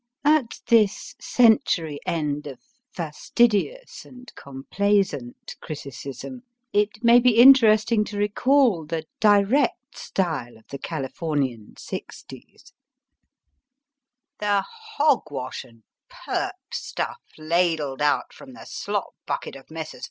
At this century end of fastidious and complaisant criticism, it may be interesting to recall the direct style of the Californian sixties/ The hogwash and " purp " stuff ladled out from the slop bucket of Messrs.